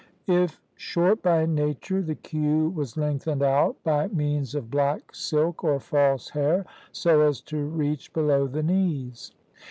If short by nature, the queue was lengthened out, by means of black silk or false hair, so as to reach below the knees.